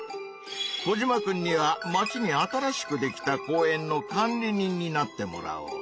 コジマくんには「町に新しくできた公園の管理人」になってもらおう。